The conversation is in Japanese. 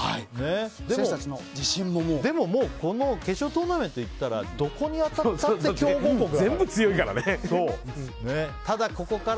でも決勝トーナメントいったらどこに当たったって強豪国だから。